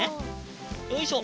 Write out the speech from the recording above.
よいしょ。